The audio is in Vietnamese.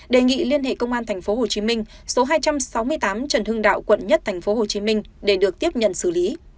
đề nghị liên hệ công an tp hcm số hai trăm sáu mươi tám trần hưng đạo quận một tp hcm để được tiếp nhận xử lý